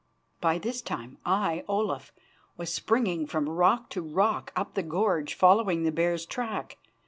By this time I, Olaf, was springing from rock to rock up the gorge, following the bear's track.